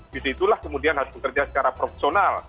disitulah kemudian harus bekerja secara profesional